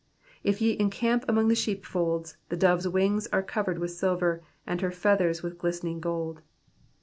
14 If ye encamp among the sheep folds, The dove's wings are covered with silver And her feathers with glistening gold.